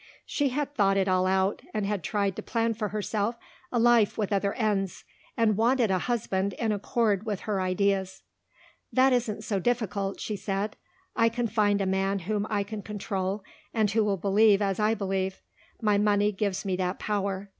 She had thought it all out and had tried to plan for herself a life with other ends, and wanted a husband in accord with her ideas. "That isn't so difficult," she said, "I can find a man whom I can control and who will believe as I believe. My money gives me that power.